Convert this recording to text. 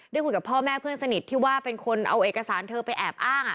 คุยกับพ่อแม่เพื่อนสนิทที่ว่าเป็นคนเอาเอกสารเธอไปแอบอ้าง